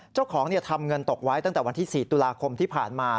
เจ้าของทำเงินตกไว้ตั้งแต่วันที่๔ตุลาคมที่ผ่านมา